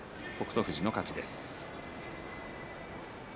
富士の勝ちです